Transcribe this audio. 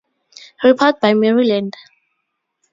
Report by Maryland.